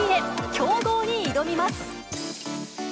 強豪に挑みます。